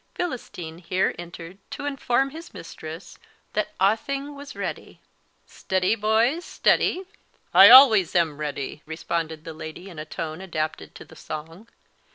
Philistine here entered to inform his mistress that "awthing was ready." "Steady, boys, steady! I always am ready," responded the Lady in a tone adapted to the song.